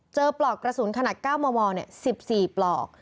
เจอปลอกกระสุนขนาด๙มเนี่ย๑๔ปลอก